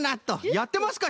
やってますか？